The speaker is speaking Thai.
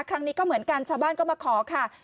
ครั้งนี้ก็เหมือนกันชาวบ้านก็มาขอค่ะ